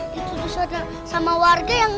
diturut turut sama warga yang